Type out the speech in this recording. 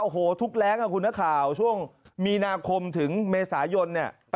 โอ้โหทุกแรงครับคุณน้าข่าวช่วงมีนาคมถึงเมษายน